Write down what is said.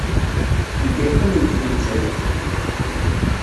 Anda ay qqiment deg Lezzayer?